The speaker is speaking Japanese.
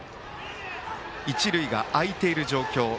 一塁が空いている状況。